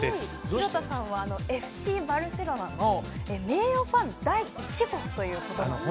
城田さんはＦＣバルセロナ名誉ファン第１号ということなんですね。